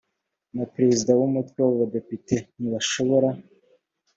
na perezida w umutwe w abadepite ntibashobora